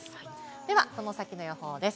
では、この先の予報です。